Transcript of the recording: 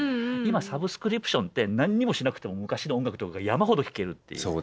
今サブスクリプションって何にもしなくても昔の音楽とかが山ほど聴けるっていう。